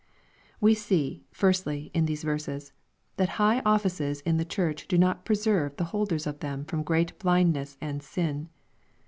We see, firstly, in these verses, that high offices in the church do not preserve the holders of them from great blindness and sin.